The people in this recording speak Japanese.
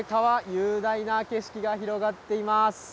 雄大な景色が広がっています。